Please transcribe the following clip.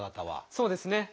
そうですね。